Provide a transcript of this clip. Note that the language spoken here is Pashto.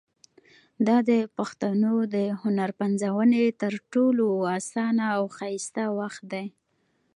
دا د پښتنو د هنر پنځونې تر ټولو اسانه او ښایسته وخت دی.